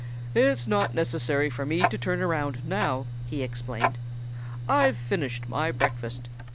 "It's not necessary for me to turn around now," he explained. "I've finished my breakfast.